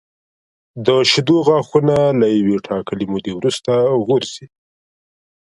د شېدو غاښونه له یوې ټاکلې مودې وروسته غورځي.